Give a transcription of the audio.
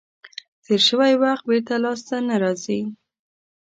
تیر شوی وخت بېرته لاس ته نه راځي.